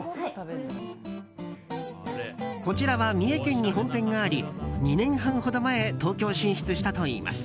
こちらは三重県に本店があり２年半ほど前東京進出したといいます。